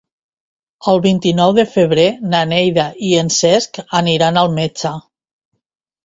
El vint-i-nou de febrer na Neida i en Cesc aniran al metge.